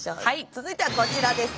続いてはこちらです。